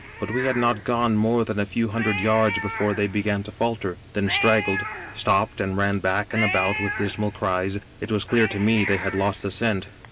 " But we had not gone more than a few hundred yards before they began to falter, then straggled, stopped and ran back and about with dismal cries. It was clear to me they had lost the scent.